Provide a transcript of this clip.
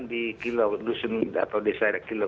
di kilo dusun atau desa ada kilo